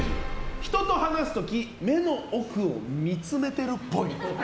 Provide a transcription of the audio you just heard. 人と話す時目の奥を見つめてるっぽい。